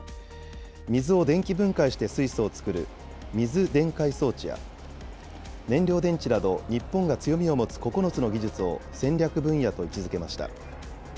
水を電気分解して水素を作る水電解装置や、燃料電池など、日本が強みを持つ９つの技術を戦略分野と位置づけました。